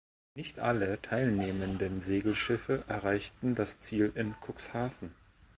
Nicht alle teilnehmenden Segelschiffe erreichten das Ziel in Cuxhaven.